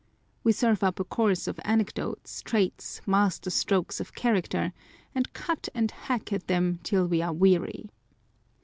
We serve up a course of anecdotes, traits, master strokes of character, and cut and hack at them till we are weary.